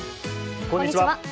こんにちは。